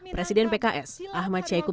presiden pks ahmad syekum